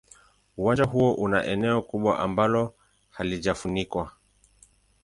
Uwanja huo una eneo kubwa ambalo halijafunikwa.